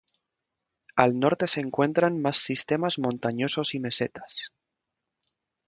Al norte se encuentran más sistemas montañosos y mesetas.